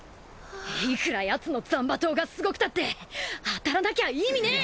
いくらやつの斬馬刀がすごくたって当たらなきゃ意味ねえ！